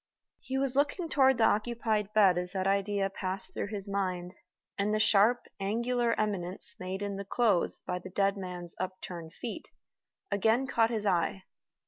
He was looking toward the occupied bed as that idea passed through his mind, and the sharp, angular eminence made in the clothes by the dead man's upturned feet again caught his eye.